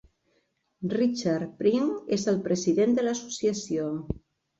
Richard Pring és el president de l'associació.